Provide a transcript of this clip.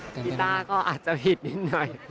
พิตาร์ก็อาจจะหิดนิดหน่อย